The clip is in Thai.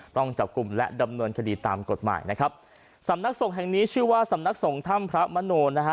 ต้องจับกลุ่มและดำเนินคดีตามกฎหมายนะครับสำนักสงฆ์แห่งนี้ชื่อว่าสำนักสงฆ์ถ้ำพระมโนนะฮะ